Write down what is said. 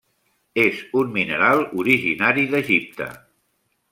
És un mineral originari d'Egipte.